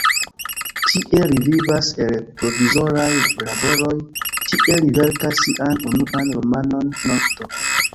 Tie li vivas el provizoraj laboroj, tie li verkas sian unuan romanon "Nokto".